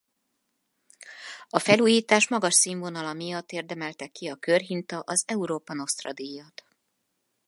A felújítás magas színvonala miatt érdemelte ki a körhinta az Europa Nostra-díjat.